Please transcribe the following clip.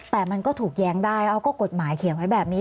แต่มันก็ถูกแย้งได้เอาก็กฎหมายเขียนไว้แบบนี้